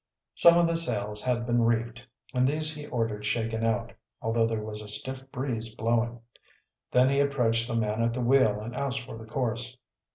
Some of the sails had been reefed, and these he ordered shaken out, although there was a stiff breeze blowing. Then he approached the man at the wheel and asked for the course.